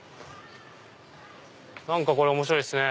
何かこれ面白いっすね。